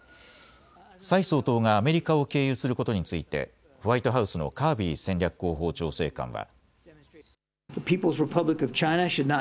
蔡総統がアメリカを経由することについてホワイトハウスのカービー戦略広報調整官は。